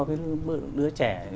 cái đứa trẻ